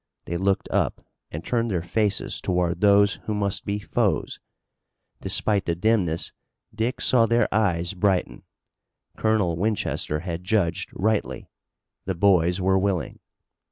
They looked up and turned their faces toward those who must be foes. Despite the dimness Dick saw their eyes brighten. Colonel Winchester had judged rightly. The boys were willing.